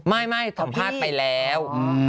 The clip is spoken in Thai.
ไม่สัมภาษณ์ไปแล้ว